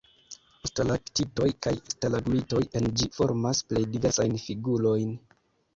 Stalaktitoj kaj stalagmitoj en ĝi formas plej diversajn figurojn.